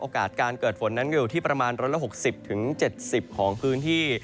การเกิดฝนนั้นอยู่ที่ประมาณ๑๖๐๗๐ของพื้นที่